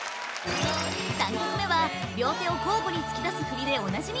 ３曲目は両手を交互に突き出すフリでおなじみ